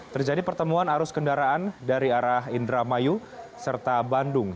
terjadi pertemuan arus kendaraan dari arah indramayu serta bandung